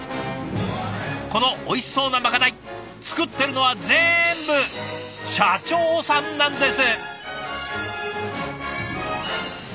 このおいしそうなまかない作ってるのは全部社長さんなんです。